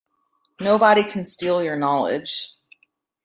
Nobody can steal your knowledge.